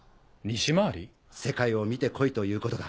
世界を見て来いということだ。